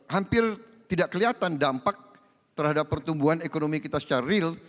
hampir tidak kelihatan dampak terhadap pertumbuhan ekonomi kita secara real